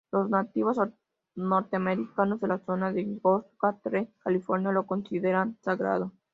Los nativos norteamericanos de la zona de Joshua Tree, California lo consideran sagrado.